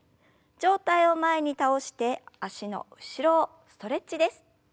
上体を前に倒して脚の後ろをストレッチです。